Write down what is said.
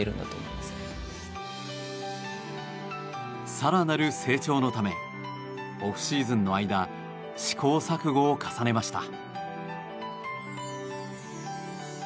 更なる成長のためオフシーズンの間試行錯誤を重ねました。